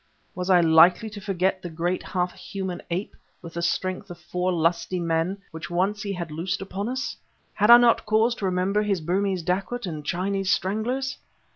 Was I likely to forget the great half human ape, with the strength of four lusty men, which once he had loosed upon us? had I not cause to remember his Burmese dacoits and Chinese stranglers?